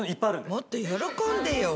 もっと喜んでよ。